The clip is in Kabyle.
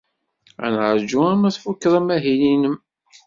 Ad neṛju arma tfuked amahil-nnem.